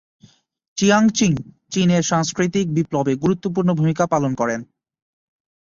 Chiang Ching চীনের সাংস্কৃতিক বিপ্লবে গুরুত্বপূর্ণ ভুমিকা পালন করেন।